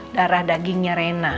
darah dagingnya rena